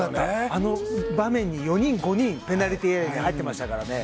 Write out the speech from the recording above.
あの場面に４人、５人ペナルティーエリアに入ってましたからね。